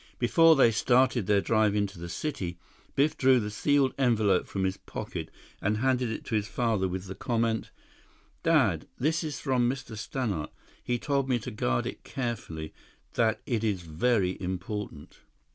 Before they started their drive into the city, Biff drew the sealed envelope from his pocket and handed it to his father with the comment: "Dad, this is from Mr. Stannart. He told me to guard it carefully, that it is very important."